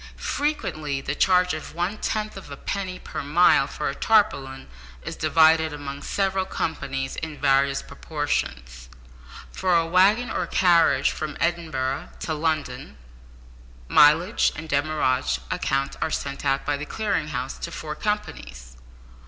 Frequently the charge of one tenth of a penny per mile for a tarpaulin is divided among several companies in various proportions. For a waggon or carriage from Edinburgh to London, mileage and demurrage accounts are sent out by the Clearing House to four companies.